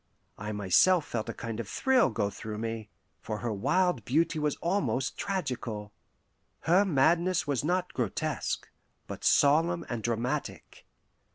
I myself felt a kind of thrill go through me, for her wild beauty was almost tragical. Her madness was not grotesque, but solemn and dramatic.